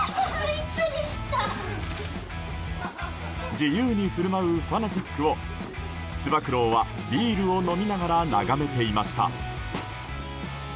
自由に振る舞うファナティックをつば九郎はビールを飲みながら眺めていました。